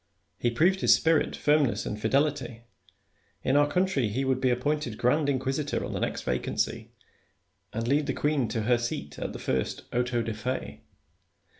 He proved his spirit, firmness, and fidelity : in our country he would be appointed grand inquisitor on the next vacancy, and lead the queen to her seat at the first auto da fe.